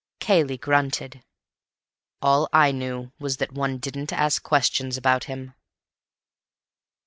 Cayley grunted. "All I knew was that one didn't ask questions about him."